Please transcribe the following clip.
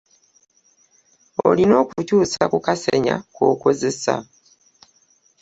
Olina okukyuusa ku kasenya kokozesa.